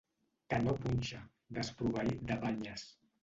Que no punxa, desproveït de banyes.